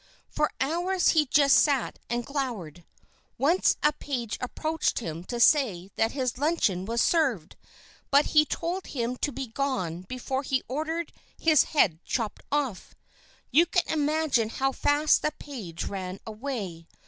For hours he just sat and glowered. Once a page approached him to say that his luncheon was served, but he told him to be gone before he ordered his head chopped off. You can imagine how fast the page ran away.